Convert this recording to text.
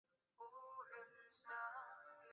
帕拉豹蛛为狼蛛科豹蛛属的动物。